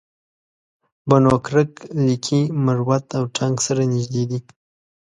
بنو کرک لکي مروت او ټانک سره نژدې دي